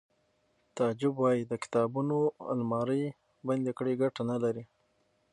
تعجب وایی د کتابونو المارۍ بندې کړئ ګټه نلري